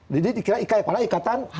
jadi dikira ikai padahal ikatan